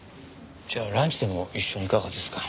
じゃあランチでも一緒にいかがですか？